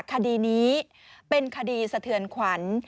คดีนี้เป็นคดีสะเทือนขวัญ